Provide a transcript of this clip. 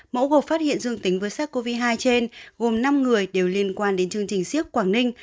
mẫu gộp phát hiện dương tính với sars cov hai trên gồm năm người đều liên quan đến chương trình siếc quảng ninh